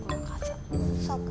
そうか。